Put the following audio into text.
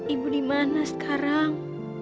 ibu dimana sekarang